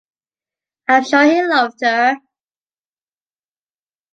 I’m sure he loved her.